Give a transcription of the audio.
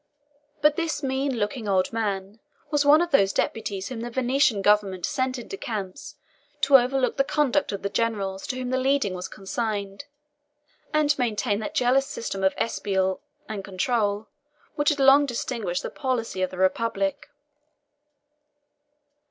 But this mean looking old man was one of those deputies whom the Venetian government sent into camps to overlook the conduct of the generals to whom the leading was consigned, and to maintain that jealous system of espial and control which had long distinguished the policy of the republic.